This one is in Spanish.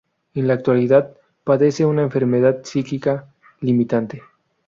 En la actualidad, padece una enfermedad psíquica limitante.